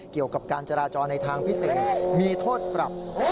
เกี่ยวกับการจราจรในทางพิเศษมีโทษปรับ